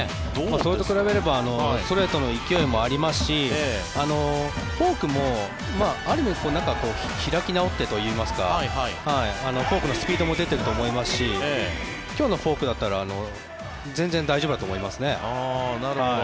それと比べればストレートの勢いもありますしフォークも開き直ってといいますかフォークのスピードも出ていると思いますし今日のフォークだったら全然大丈夫だと思いますね。